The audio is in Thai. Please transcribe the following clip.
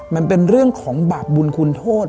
มันเป็นเรื่องของบาปบุญคุณโทษ